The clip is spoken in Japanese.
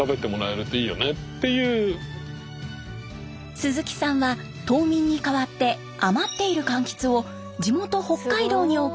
鈴木さんは島民に代わって余っている柑橘を地元北海道に送り販売。